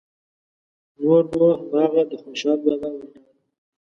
نور نو همغه د خوشحال بابا وینا ده.